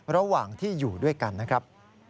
ระหว่างที่อยู่ด้วยกันนะครับ